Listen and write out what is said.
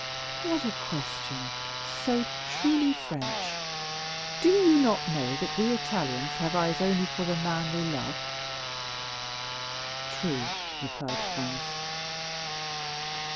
"What a question—so truly French! Do you not know that we Italians have eyes only for the man we love?" "True," replied Franz.